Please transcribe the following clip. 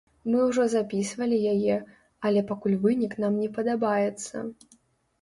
Мы ўжо запісвалі яе, але пакуль вынік нам не падабаецца.